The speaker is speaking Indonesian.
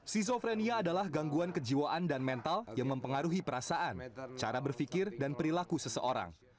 skizofrenia adalah gangguan kejiwaan dan mental yang mempengaruhi perasaan cara berpikir dan perilaku seseorang